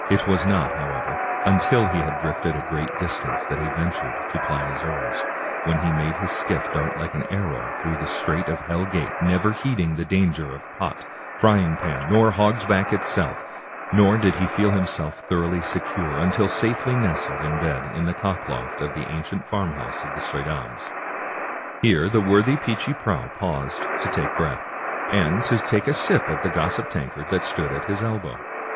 It was not, however, until he had drifted a great distance that he ventured to ply his oars, when he made his skiff dart like an arrow through the strait of Hell Gate, never heeding the danger of Pot, Frying Pan, nor Hog's Back itself, nor did he feel himself thoroughly secure until safely nestled in bed in the cockloft of the ancient farmhouse of the Suydams. Here the worthy Peechy Prauw paused to take breath, and to take a sip of the gossip tankard that stood at his elbow.